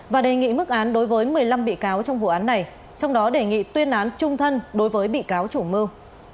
và đề nghị mức án đối với một mươi năm bị cáo trong vụ án này trong đó đề nghị tuyên án trung thân đối với bị cáo chủ mưu